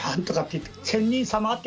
って